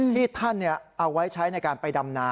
ที่ท่านเอาไว้ใช้ในการไปดำนา